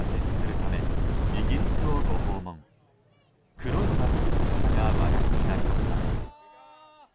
黒いマスク姿が話題になりました。